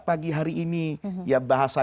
pagi hari ini ya bahasa